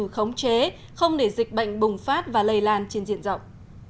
khống chế không để dịch bệnh bùng phát và lây lan trên diện rộng